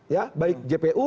ya baik jpu